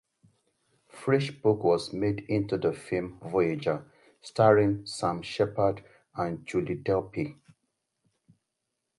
Frisch' book was made into the film "Voyager", starring Sam Shepard and Julie Delpy.